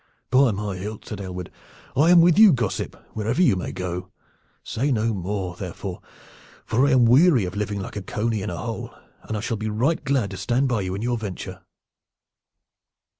"By my hilt," said Aylward, "I am with you, gossip, wherever you may go! Say no more, therefore, for I am weary of living like a cony in a hole, and I shall be right glad to stand by you in your venture."